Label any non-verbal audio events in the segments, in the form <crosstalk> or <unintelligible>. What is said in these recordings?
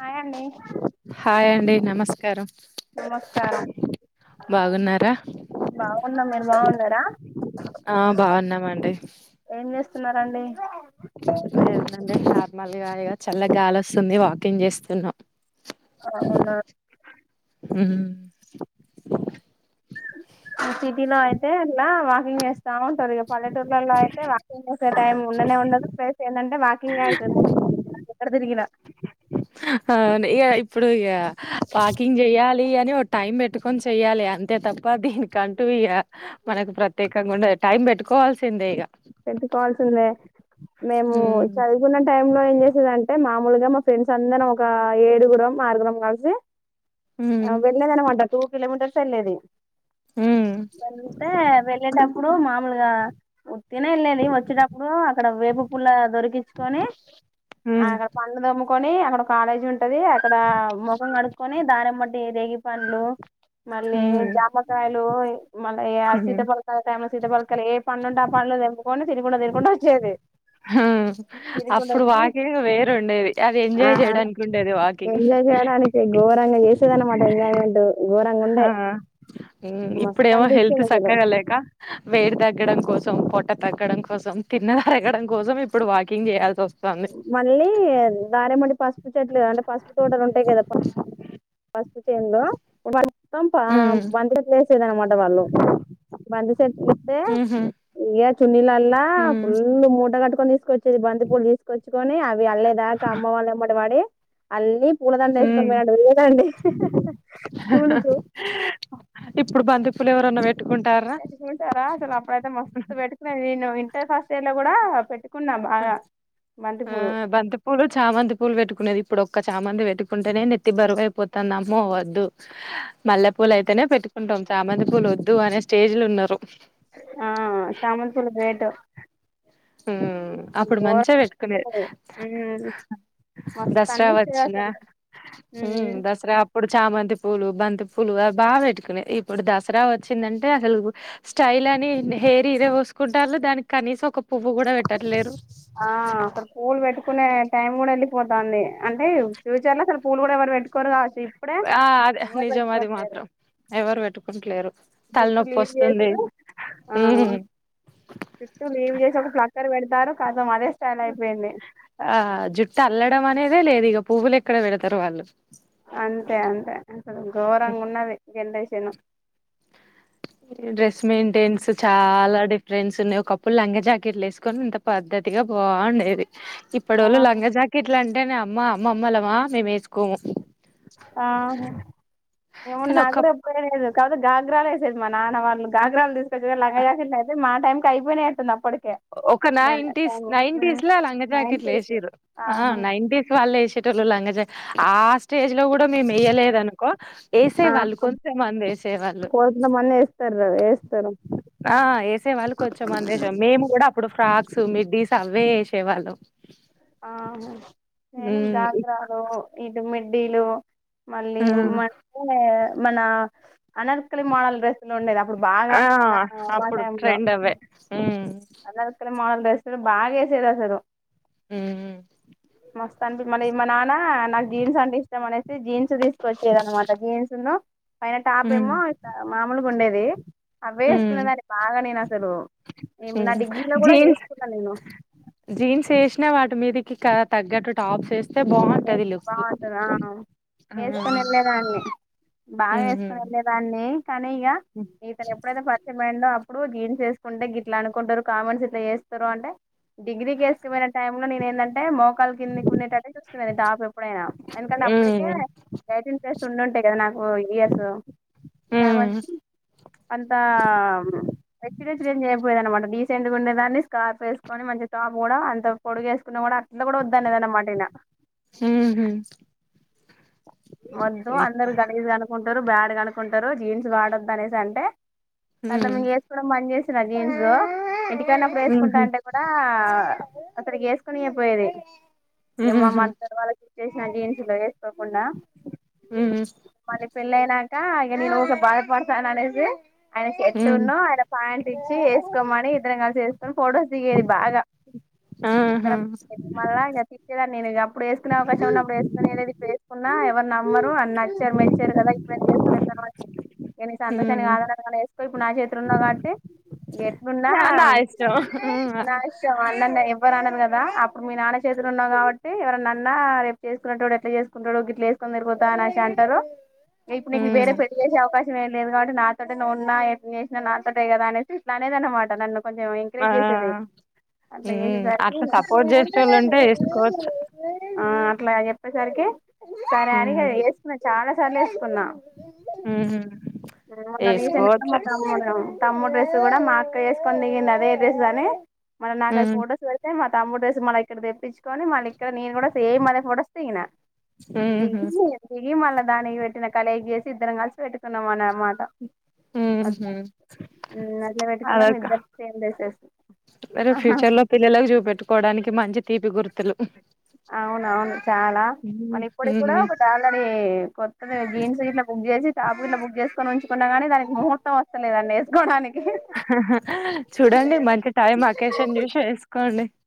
Hi అండి hi అండి నమస్ కారం నమస్కారం బాగున్నారా బాగున్నాం. మీరు బాగున్నా న్న ర ఆ బాగున్నామండి స్తున్నారండి నేనా అండి మళ్ళీ రాదుగా చల్లగలోస్తుంది వాకింగ్ చేస్తున్నా అవునా ఉమ్ సిటీలో అయితే ఇట్లా వా కింగ్ చేస్ బావుంటది పల్లే టూర్లలో అయితే వాకింగ్ చేసే టైం ఉండనే ఉండదు ప్లేస్ ఆ <unintelligible> ండి వాకింగ్ అయితది మొత్తం కడదరికనా అ ఇక ఇప్పుడు ఇక వాకింగ్ చెయాలి అ టైం పెట్టుకొని చెయ్యాలి అంతే తప్ప దీనికంటూ ఇక మనకు ప్రత్యేకంగా ఉండ టైం పెట్టుకోవాల్సిందే ఇక పెట్టుకోవాల్సిందే మేము హ్మ్ చదువుకున్న టైమ్ లో ఏం చేసేదిఅంటే మా ఉలుగా మా ఫ్రెండ్స్ అందరూ ఒక ఏడుగుడం ఆరుగుడ కలిసి హ్మ్ వెళ్ళదనం మాట టూ కిలోమీటర్స్ వెళ్ళలేది హ్మ్ వెంట వెళ్ళేటప్పుడు మా ఈగా తిన వెళ్ళది వచ్చేటప్పుడు అక్కడ వేపు పూల్ల దొరికించుకొని అ హ్మ్ అక్కడ పండు ము కొని అక్కడ కాలేజీ ఉంటది అక్కడ ముఖం కడుకొని దారిమ్మటి రేగి పండ్లు మళ్ళీ హ్మ్ జామకాయలు మళ్ళీ హ్మ్ సీత పలకాయ టైంలో సీతపలకాయలు ఏ పనులుఉంటే ఆ పండ్లు తెప్పుకొని తినకుండా తికుంటడా వచ్చేది తినుకుంట అప్పుడు వచ్చి వాకింగ్ వేరు ఉండేది అది ఆ ఎంజాయ్ చేయడానికి ఉండేది వాకింగ్ ఎజాయమెంట్ ఆ మస్తు ఇప్పుడేమో హెల్త్ అనిపించేది అసలు సక్కగా లేక వేడి తగ్గడం కోసం పొట్ట తగ్గడం కోసం తిన్న తరగడం కోసం ఇప్పుడు వాకింగ్ చేయాల్సి వస్తుంది మళ్ళీ దధార మడి పాస్ <unintelligible> అంటే పసుపు తోటలు ఉంటాయి కదా <inaudible> పు కిందు వ మొత్తం హ్మ్. బంతి చెట్లు చేసేదిఅన్నమాట వాళ్ళు బంతి చెట్లు ఇస్తే హుహు. చున్నిలా హ్మ్. ఫుల్ మూడగాటు తీసుకొచ్చది బంతి పులి కొచ్చుకొని అవి అల్ళే దాకా అమ్మ వాళ్ళమ్మడి వాడి అల్లి పూలదండ హు వేసుకొని పోయినట్టు తిరిగేదండి స్కూల్ కు ఇప్పుడు బంతిపూలు ఎవరు నువ్వు పెట్టుకో ఉంటారా చాలా అప్పుడు అయితే మస్తు పెట్టుకునేది న నువ్వి ఫాసిల కూడా పెట్టుకోన్ ఆ బంతి పూలు చామంతి పూలు పెట్టుకునేది ఇప్పుడు ఒక్క చామంది పెట్టుకుంటేనే నెత్తి బరువువైపోతున్నా అమ్మో వద్దు మల్లెపూలు అయితేనే పెట్టుకుంటాం చామంతి పూలు వద్దు అనే స్టేజ్లో ఉన్నారు ఆ చామంతి పూలు రేటు ఉ అప్పుడు మంచిగా పెట్టుకునేది మస్తు దసరా అనిపించేది వచ్చినా అసలు హు ఉమ్ దసరా అప్పుడు చామంతి పూలు బంతి పూలు అవి బాగా పెట్టుకునే ఇప్పుడు దసరా వచ్చిందంటే అసలు స్టైల్ అని హెయిర్ ఇరే పోసుకుంట వాళ్ళు దానికి కనీసం ఒక పువ్వు కూడా పెట్టట్లేరు ఆ అక్కడ పూలు పెట్టుకునే టైం కూడా లేదు పోతాంది అంటే ఫ్యూచర్ లో అసలు పూలు కూడా ఎవరు పెట్టుకోరు కావ ఆ అదే నిజం మాది మాత్రం ఎవరు పెట్టుకు కుంటలేరు జుట్టు లీవ్ చేసుడు ఆ హ్మ్ జుట్టు లీవ్ చేసి ఒక ప్లక్కర్ పెడతారు కతం అదే స్టైల్ అయిపోయింది ఆ జుట్టు అల్లడం అనేదే లేదు ఇక పువ్వులు ఎక్కడ వెడతారు వాళ్ళు అంతే అంతే అసలు ఘోరంగా ఉన్నది జనరేషన్ డ్రెస్ మెయింటెన్స్ చాలా డిఫ రెండ్స్ ఉన్న ఒకప్పుడు లంగ జాకెట్లు వేసుకొని ఇంత పద్దతిగా బాగుండేది ఇప్పుడు ఆ ఓళ్ళు లంగా జాకెట్లు అంటేనే అమ్మా అమ్మమ్మ లామా మేము వేసు ఆ ఏమో కానీ నాకు ఒక కూడా ఎప్పుడు వేయలేదు కాదు గాఘ్రాలు వేసేది మా నాన్న వాళ్ళు గాఘ్రాలు తీ పెద్దాగా లంగ జాకెట్లు అయితే మా టైమ్ కి అయిపోయినట్టు ఉంది అప్పుడే ఒక నైన్టీస్ నైన్టీస్ లో లంగ జాకెట్లు నైన్టీస్ వేసిర్రు ఆ ఆహా నైన్టీస్ వాళ్ళు వేసేటోల్లు లంగ జాకేట్ ఆ స్టేజ్ లో కూడా మేము వేయలేదనుకో వేసే వాళ్ళు ఆహా కొంత మంది వేసేవాళ్ళు కొంతమంది వేస్తారు వేస్తారు ఆ వేసేవాళ్ళు కొంచం మంది వేసే మేము ఫ్రాక్స్ మిడ్డీస్ అవే వేసేవాళ్ళు ఆ నేను ఉమ్ గాగ్రాలో ఇది మీ డీలో మళ్ళీ ఆ <unintelligible> మన అనర్కలి మోడల్ డ్రెస్సులు ఉండేది అప్పుడు బాగా ఆ నా మా అప్పుడు టైమ్ ట్రెండ్ అవే ఊ మోడ్రన్ డ్రెస్లు బాగా ఏసేది అసలు ఉమ్ మస్త్ అనిపి మళ్ళ మా నాన్న నాకు జీన్స్ అంటే ఇష్టం అనేసి జీన్స్ తీసుకొచ్చేది అనమాట జీన్స్ ను పైన టాప్ ఏమో మామూలుగా ఉండేది ఆ వేసుకుదని బగా నేను సలో హ జీన్స్ నేను జీన్స్ ఎస్ వాటి మీదకి తగ్గటు టాప్స్ వే బాగుంటంది ఆ వేసుకొని వెళ్ళలేదాన్ని, బాగా ఉహు వేసుకొని వెళ్ళేదాన్ని కానీ ఇక ఉమ్ ఇతను ఎప్పుడైతే పరిచపోయిండో ఇప్పుడు గీన్ చేసుకుంటే ఇట్లా అనుకుంటారు కామెర్న్స్ ఇట్లా చేస్తారు అంటే, డిగ్రీకిసుకుపోయిన టైమ్ లో నేను ఏందంటే మోకాలు కింది కొనేట టాప్ ఎప్పుడైనా, ఎందుకంటే అప్పటికే నైటిన్ ప్స్ ఉండుంటాయి కదా నాకు, ఇయర్స్ కాబ ఉమ్ అంత రచ్చచ్చ్ అయిపోయది అనమాట చెండుగుండేదాన్ని స్కార్ఫ్ వేసుకొని మంచి టాప్ కూడా అంత పొడుగు వేసుకుని కూడా అట్లా కూడా వద్దదున్నద అన్నమాటన మ్ హు మద్దు అందరు గలీజ్ అనుకు టరు బ్యాడ్ గనుక్కుంటారు జీన్స్ వాడొద్దు అనేసి అంటే కద మ ఉమ్ చేసుకోవడం మని చేసి <unintelligible> ఎన్నప్పు వేసుకుంటా ఉహు అంటే కూడా అతడి కనియాపోయది ఏమ్మమ్ ఉహు మద్దర్ వాళ్ళకి చేసిన జీన్స్లో కుండా ఉమ్ మరి పెళ్ళయినాక కా ఇక ననుస బయపడుతాను అనేది ఆయన చెట్ ఉమ్ ఉన్నా ఆయన ప్యాంట్ ఇచ్చి వేసుకోమని ఇద్దరు కలిసి వెస్కొని ఫోటోస్ దిగేది బాగా ఆహా ఇద్దరం మళ్ళా <unintelligible> నేను అప్పుడు వేస్కున్నా అవకాశం ఉన్నప్పుడు వేకునేనేది చేసుకున్నా ఎవరు నమ్మరు అ నచ్చారు మెచ్చారు కదా ఇప్పుడ చేసుకున్న తర్వాత కానీ సంతోషానికి ఉమ్ ఆదననే పు ఇప్పుడు నా చేతోలో ఉన్నావు కాబట్టి గెట్లున్నా నా నా ఇష్టం నా ఇష్టం అన్నన్నా బ్ నాన్నని కదా అప్పుడు మీ నాన్న చేతులు ఉన్నాం కాబట్టి ఎవరి నాన్న రేపు చేసుకున్నడో ఎట్లా చే చేసుకుంటాడో గిట్ల గెస్కోన్ అ అంటారు ఇప్పుడు నీకు వేరే ఉమ్ పెళ్లిగేసే అవకాశం ఏ లేదు కాబట్టి నాతోటి నువ్వున్నా చేసినా నాతోటే కదా అనేసి ఇట్లా అనేది అనమాట నన్ను కొంచెం ఆ ఎంకరేజ్ చేసేది అట్లా ఉమ్ చేసేసరికి అట్లా సపోర్ట్ చేసేటోళ్ళు ఉంటే ఏసుకోవచ్చు ఆ అట్లా చెప్పేసరికి సరే అడిగ ఉమ్ ఎస్న్నా చాలా <unintelligible> కొన్న ఉహు మొన్న రీసెంటుగా ఏసుకోవచ్చు మా తమ్ముడు తమ్ముడ్ డ్రెస్ కూడా మా అక్కేసుకొని దిగింది అదే డ్రెస్ కని మన నాకు అది ఉమ్ ఫోటోస్ పెడితే మ తమ్ముడు డ్రెస్ మళ ఇక్కడికి తెప్పించుకొని మళ్ళి ఇక్కడ నేను కూడా సేమ్ అనే ఫొటోస్ దిగిన ఉహు దిగి దిగి మళ్ల దానికి పెట్టిన కల్ <unintelligible> ఇద్దరం కలిసి పెట్టికున్నాం అన ఉహు ఉమ్ అట్లా పెట్టుకున్నాం అదొక ఇద్దరు సేమ్ డ్రెస్సెస్ రేపు ఆహా ఫ్యూచర్ లో పిల్లలకు చూపెట్టుకోవడానికి మంచి తీపి గుర్తులు అ అవునవును చాలా మన ఇప్పటి కూడా ఉహు ఒకటి ఆల్రెడీ కొత్తది జీన్స్ గీట్లా బుక్ చేసి టాప్ గిట్ల బుక్ చేసుకుని ఉంచుకున్న గాని దానికి ముహూర్తమ్ వస్తలేదండి ఎస్ కోడానికి చూడండి మంచి టైం అకేషన్ చూసి వేసుకో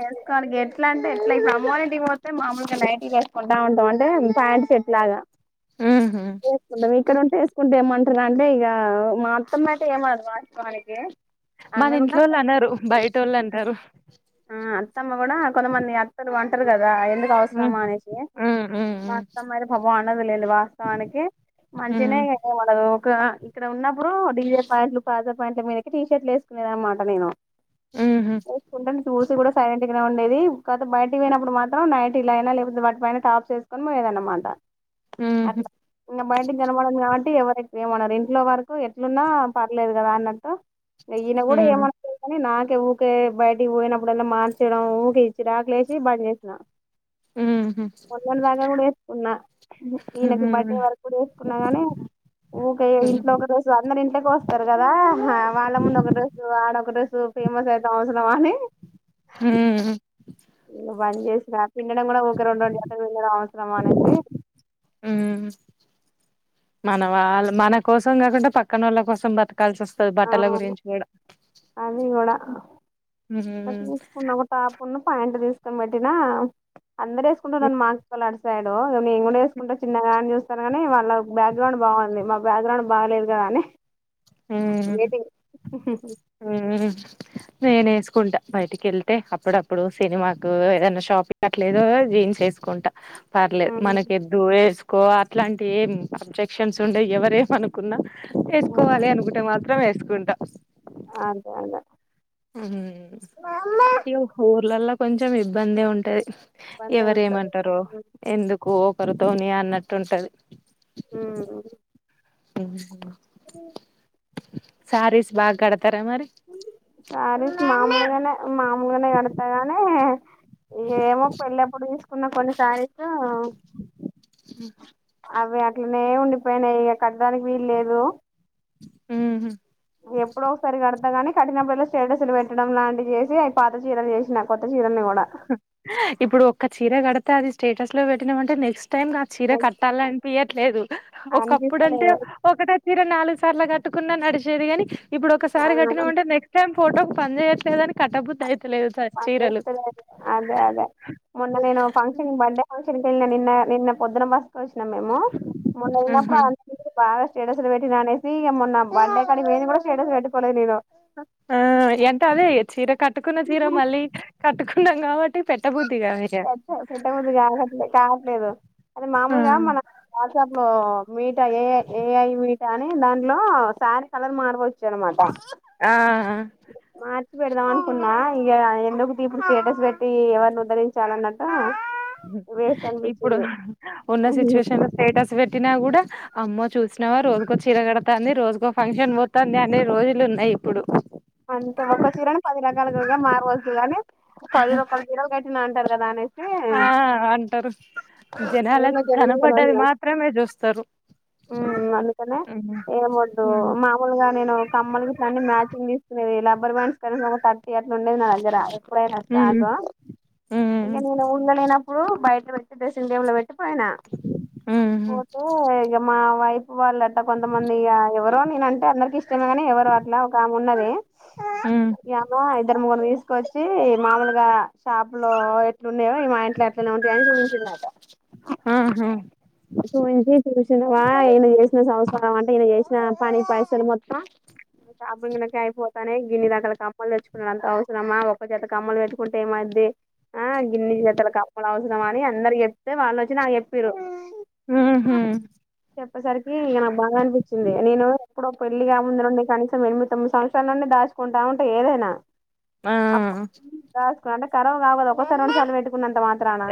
వేసుకోవాలి ఇగ ఎట్లా అంటే <unintelligible> అమ్మోళింటికి పొతే మామూలుగా నైటీలు వేసుకుంటా ఉంటాం అంటే ప్యాంట్ షర్ట్ లాగా ఉహు వేసుకుంటాం ఇక్కడ ఉంటే వేసుకుంటే ఏమంట <unintelligible> అంటే ఇగ మా అత్తమ్మ అయితే ఏమనదు వాస్తవానికి ఆమె మన కూడా ఇంట్లోళ్ళు అనరు బయటోళ్ళు అంటారు ఆ అత్తమ్మ కూడా కొంతమంది అత్తలు అంటారు కదా ఎందుకు ఉమ్ అవసరమా అనేసి ఉమ్ ఉమ్ మా అత్తమ్మ అయితే పాపం అనదు లెండి వాస్తవానికి మంచిగనే ఉమ్ <unintelligible> ఇక్కడ ఉన్నప్పుడు డిజే ప్యాంట్లు ప్లాజో ప్యాంట్ మీదకి టీషర్ట్లు వేసుకునే దన్నమాట నేను ఉహు <unintelligible> చూసి కూడా సైలెంట్ గానే ఉండేది కాకపోతే బయటికి పోయినప్పుడు మాత్రం నైటిలయినా లేకపోతే వాటిపైన టాప్స్ వేసుకొని పోయేదానన్నమాట ఉహు అట్లా ఇక బయటికి కనపడదుకాబట్టి టి ఎవరైన ఏమనరు ఇంట్లో వరకు ఎట్లున్నా పర్లేదు కదా అన్నట్టు ఈయన కూడా ఉమ్ ఏమనపోయేది కానీ నా కే ఊకె బయటికి పోయ్ ఇప్పుడలా మార్చేయడం ఊకె చిరాకు లేసి బంచేసిన ఉహు మొన్నటి దాకా కూడా వేసుకున్నా ఉమ్ ఈయనకు బర్డే వరకు కూడా వేసుకున్నా గానీ ఊక ఇంట్లో ఒక రోజు అందరి ఇంట్ వస్తర్ కదా వాళ్ళ ముందు ఒక డ్రెస్సు ఆడొక డ్రెస్సు ఫేమస్ ఐతం అవసరమాని ఉ పని చేసిన పిండడం కూడా ఉకే రెండు రెండు జతలు పిండడం అవసరమా అనేసి ఉమ్ మన వాళ్ళు మన కోసం కాకుండా పక్కనోళ్ళ కోసం బతు కలిసి అస్తది ఆ బట్టల గురించి కూడా అది కూడా ఉమ్ తీసుకున్న ఒక టాప్ ఉన్ను ప్యాంట్ తీస్ పుం పెట్టినా అందరేసుకుంటురని మా కోల్ అటు సైడు ఇగ నేను కూడా ఎస్ కుంట చిన్నగానే చూస్తారు కాని వాళ్ళ బ్యాక్గ్రౌండ్ బాగుంది మా బ్యాక్గ్రౌండ్ బాగాలేదు కదా అని ఉ వెయిటింగ్ ఉ నేను ఏసుకుంటా బయటికేళ్తే అప్పుడప్పుడు సినిమాకు ఏదన్న షాపింగ్ అట్లేదో జీన్స్ వేసుకుంటా పర్లేదు మనకే దువేస్ కో అట్లాంటి ఏం అబ్జెక్షన్స్ ఉండై ఎవరేం అనుకున్నా కోవాలి అనుకుంటే మాత్రం వేసుకుంటా అంతే అన్న ఉ ఈ ఊర్లల్ల కొంచెం ఇబ్బందే ఉంటది ఇబ్బందే ఉంటది ఎవరేమంటారో ఎందుకు కరుతోని అన్నట్టు ఉంటది ఉ ఉ పింగో అ సారీస్ బాకడత్ సారీస్ మాములుగనే మామూలుగానే కడతాగానే ఇగ ఏమో పెళ్ళప్పుడు తీస్ కున్నా కొన్ని సారిసు <inaudible> అవి అట్లనే ఉండిపోయినాయి ఇగ కట్టడానికి వీలు లేదు ఉ ఎప్పుడో ఒసారి కడతా కని కట్టినప్పుడల్లా స్టేటస్లు పెట్టడం లాంటి చేసి అయి పాత చీరలు చేసిన కొత్త చీరలుని కో ఇప్పుడు ఒక్క చీర కడితే అది స్టేటస్ లో పెట్టినమంటే నెక్స్ టైం నా చీర కట్టాలనిపియట్లేదు ఒకప్పుడు అంటే అనిపిస్తలేదు ఒకట ఇరు నాలుగు సార్లు కట్టుకున్నాను నడిచేదిగాని ఇప్పుడు ఆ ఒకసారి కట్టినం అంటే నెక్స్ట్ టైమ్ ఫోటోకి పని చేయట్లేదు అని కట్టబుద్ధ లేదు స పని చీరలు చేస్తలేదు అదే అదే మొన్న నేను ఫంక్షన్ంగ్ బర్డే ఫంక్షన్ ళ్ళ నిన్న నిన్నొద్దున బస్త వచ్చినం మేము మొన్న అయినప్పుడు ఆహా అ బాగా స్టేటస్ లో పెట్టిన అనేసి ఇ మొన్నాం బండే కానీ మేము కూడా స్టేటస్ పెట్పోలేదు నలో ఆ అంటే అదే చీర కట్టుకున్న చీర నేను మళ్ళీ కట్టుకున్నాం కాబట్టి పెట్టబద్దు పెట్ట ముద్ కాట్లేదు కావట్లేదు అది ఆ మామూలుగా మన రా ఆ మీ ఏ ఏఐ వి కానీ దాంట్లో శారీ కలర్ మారపోవచ్చు జ్వరం అంట ఆ ఆ! మా పెడదాం అనుకున్నా ఇక ఎందుకుకి ఇప్పుడు స్టేటస్ పెట్టి ఎవరిని వదరి చాలన్నట ఇప్పుడు ఉన్న సిచ్యువేషన్ లో స్టేటస్ పెట్టినా కూడా అమ్మో చూసినవా రోజుకో చిరగడతాంది రోజుకో ఫంక్షన్ పోతుంది అనే రోజులు ఉన్నాయి ఇప్పుడు అంటే ఒ చీరను పది రకాలుగా మారవచ్చు గాని పది రూపాయలు చిరలు అంటారు కదా అనేసి ఆ అంటారు జనాల ఏమో జనం జనాలు కనపడ్డది మాత్రమే చూస్తారు అందుకనే ఏముండదు మ్మ్ మామూలుగా నేను కమ్మలు గ ఇట్ల అన్ని మ్యాచింగ్ తీసుకునేది లబ్బర్ బాండ్స్ ఒక ర్టీ అట్లా ఉండే నాదగర రాలదు డ రస్త మ్మ్ ఆగా ఇక మ్మ్ నేను ఊళ్ళ లేనప్పుడు బయట వెచ్చ ఇడియా పోయినా మ్మ్ పోతే మా వైఫ వాళ్ళట్ట కొంతమంది ఎవరో నేనంటే అందరికి ఇ గాని ఎవరు అట్లా ఒక ఆమె ఉన్నది ఆ మ్మ్ ఏదో ఐదరు ముగురు వయసు తీసుకొచ్చి మామూలుగా షాప్ లో ఎట్లున్నాయో ఈ మా ఇంట్లో ఎట్లనే ఉంటాయని చూపించిందట ఆ హా చూసవా ఈయన చేసిన సంవస్సారం అంటే ఈయన చేసిన పని పైసలు మొత్తం బ కకే అయిపోతానే గిన్ని దాగలకు అమ్మలు వచ్చ ఇప్పుడుంత అవసరమా ఒక చేత కమ్మలు పెట్టుకుంటే ఏమది ఆ గిన్ని చేతల కమ్మలు అవసరమా అని అందరు చెప్తే వాళ్ళుొచ్చి నాకు చెప్పిరూ ఆహా చెప్పేసరికి ఇ బాగా అనిపించింది నేను ఇప్పుడు పెళ్లిగా ముందు నుండి కనీసం ఎనిమిది తొమ్మిది సంవత్సరాల నుండి దాచుకుంటా ఉంటా ఏదైనా ఆ అ అంటే కరవ కా కా ఒకసారిట్టు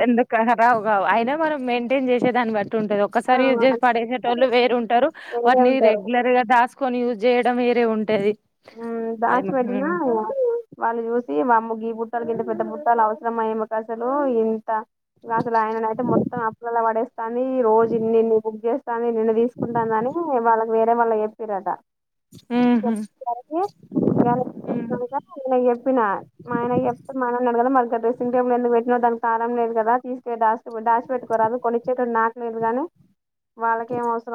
ఎందు కరాబ్గా అయినా మనం మెయింటైన్ చేసే దాన్ని బట్టి ఉంటది ఆ ఒకసారి యూస్్ చేసి పడేసట వాళ్ళు వేరు ఉంటారు వేరే వాటిని ఉంటారు రెగ్యులర్ దాసుకొని ూ చేయడం మీరే ఉంటాది దాచి పెట్టిన వాళ్ళు చూ స మమ్ముగి బుట్టలు కింది పెద్ద బుట్టలు మయమకాసలు ఇంత అసలు ఆయన అయితే మొత్తం అప్పులలా పడేస్తాను రోజు నిన్న బుక్ చేస్తా నిన్ను తీసుకుంటాను అని వాళ్ళ వేరే మళ్ళ చెప్పిరాట ఆహా ఆయ చెప్పిన ఆయన చెడు కదా మ డ్రెస్సింగ్ టేబుల్ ఎందుకు పెట్టిన దానికి తారంం లేదు కదా తీసుకా దాచిపెట్టు <unintelligible> లేదుగానే వాళ్ళకేం అవసరం